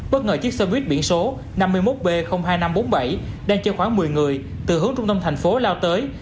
bất ngờ chiếc xe buýt biển số năm mươi một b hai nghìn năm trăm bốn mươi bảy đang chở khoảng một mươi người từ hướng trung tâm thành phố lao tới